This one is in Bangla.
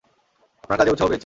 আপনার কাজে উৎসাহ পেয়েছি।